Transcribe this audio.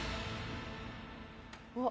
あっ。